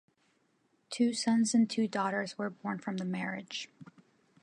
Two sons and two daughters were born from the marriage.